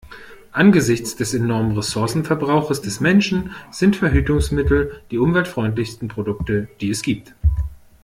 Angesichts des enormen Ressourcenverbrauchs des Menschen sind Verhütungsmittel die umweltfreundlichsten Produkte, die es gibt.